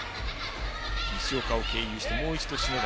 西岡を経由してもう一度、篠崎。